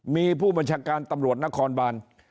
มีผู้บัญชาการตำรวจนครบาน